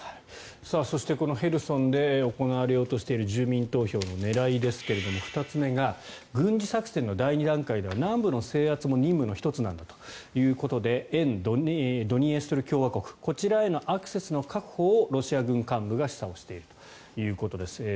そして、このヘルソンで行われようとしている住民投票の狙いですが２つ目が軍事作戦の第２段階では南部の制圧も任務の１つなんだということで沿ドニエストル共和国こちらへのアクセスの確保をロシア軍幹部が示唆しているということです。